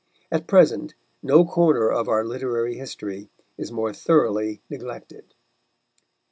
At present no corner of our literary history is more thoroughly neglected.